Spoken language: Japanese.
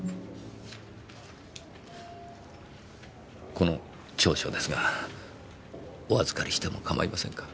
この調書ですがお預かりしてもかまいませんか？